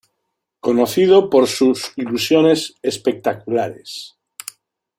Conocido por sus ilusiones espectaculares.